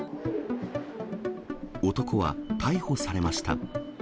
男は逮捕されました。